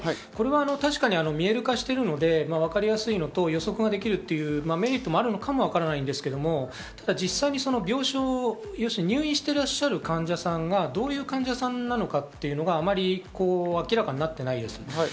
これは確かに見える化しているのでわかりやすいのと、予測ができるというメリットもあるのかもわからないですが、実際に入院していらっしゃる患者さんがどういう患者さんなのかというのがあまり明らかになっていないです。